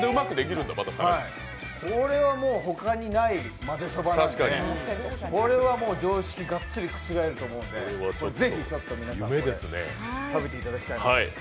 これはもうほかにないまぜそばなんで、これはもう、常識、がっつり覆ると思うので、ぜひ食べていただきたいと思います。